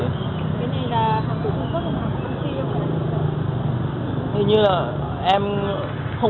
cái này là hộp trung quốc hộp công ty không